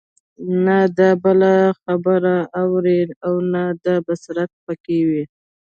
نه د بل خبره اوري او نه دا بصيرت په كي وي